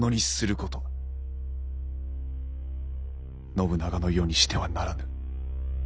信長の世にしてはならぬ。